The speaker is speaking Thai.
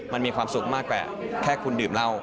มันมีความสุขมากกว่าแค่คุณดื่มเหล้า